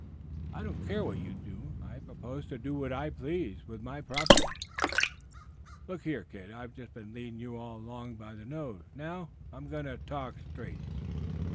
"I don't care what you do. I propose to do what I please with my own property." "Look here, kid. I've just been leadin' you along by the nose. Now, I'm going to talk straight."